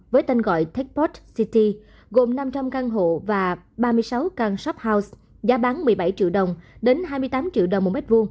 với tên gọi techbox city gồm năm trăm linh căn hộ và ba mươi sáu căn shophouse giá bán một mươi bảy triệu đồng đến hai mươi tám triệu đồng một m hai